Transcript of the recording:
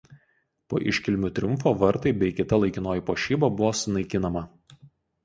Po iškilmių triumfo vartai bei kita laikinoji puošyba buvo sunaikinama.